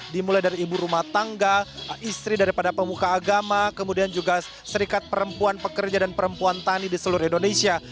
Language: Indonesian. dimulai dari ibu rumah tangga istri daripada pemuka agama kemudian juga serikat perempuan pekerja dan perempuan tani di seluruh indonesia